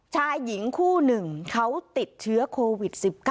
ชายหญิงคู่หนึ่งเขาติดเชื้อโควิด๑๙